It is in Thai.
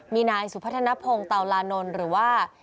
มีนายสุพัฒนภงเตาลานนท์หรือว่า